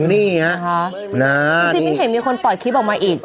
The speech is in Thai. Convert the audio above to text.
นี่ฮะนะจริงจริงพี่เฮ่ยมีคนปล่อยคลิปออกมาอีก